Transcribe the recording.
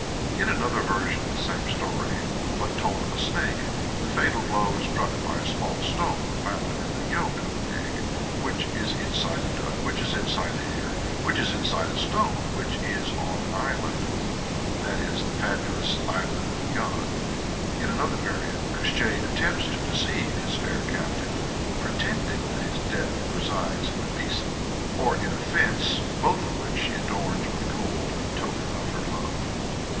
In another version of the same story, but told of a Snake, the fatal blow is struck by a small stone found in the yolk of an egg, which is inside a duck, which is inside a hare, which is inside a stone, which is on an island [i.e., the fabulous island Buyan]. In another variant Koshchei attempts to deceive his fair captive, pretending that his "death" resides in a besom, or in a fence, both of which she adorns with gold in token of her love.